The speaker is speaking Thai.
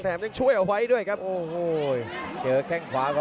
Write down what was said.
ตามต่อในยกที่สาม